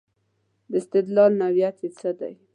د استدلال نوعیت یې څه دی.